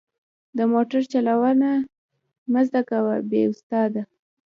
د موټر چلوونه مه زده کوه بې استاده.